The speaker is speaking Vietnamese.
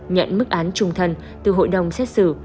nhận mức án trung thân từ hội đồng xét xử